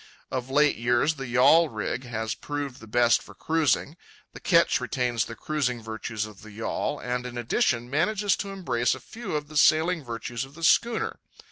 Of late years the yawl rig has proved the best for cruising. The ketch retains the cruising virtues of the yawl, and in addition manages to embrace a few of the sailing virtues of the schooner.